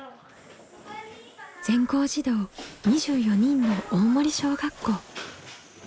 全校児童２４人の大森小学校。